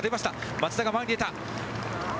松田が前に出た。